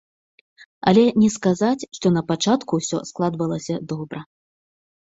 Але не сказаць, што напачатку усё складвалася добра.